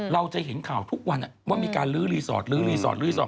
เราจะเห็นข่าวทุกวันว่ามีการลื้อรีสอร์ต